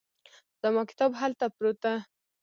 زما کتاب هلته پروت ده